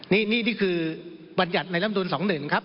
นี่นี่คือบัญญัติในลำดวน๒๑ครับ